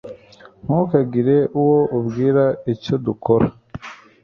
Ntukagire uwo ubwira icyo dukora.